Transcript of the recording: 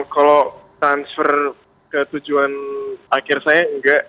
kalau transfer ke tujuan akhir saya enggak